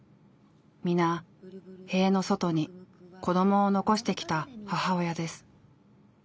皆塀の外に子どもを残してきた母親です。